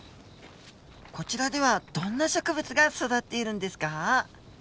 こちらではどんな植物が育っているんですか？